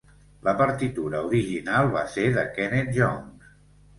La partitura original va ser de Kenneth Jones.